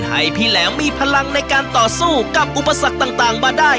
ให้พี่แหลมมีพลังในการต่อสู้กับอุปสรรคต่างมาได้